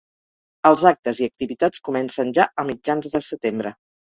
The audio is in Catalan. Els actes i activitats comencen ja a mitjans de setembre.